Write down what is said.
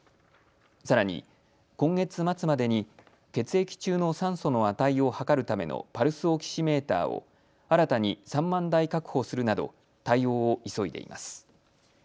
さらに今月末までに血液中の酸素の値を測るためのパルスオキシメーターを新たに３万台確保するなど対応を急いでいます。